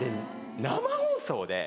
生放送で。